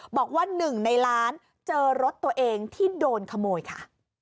บอกว่า๑ในล้านเจอรถตัวเองที่โดนขโมยค่ะ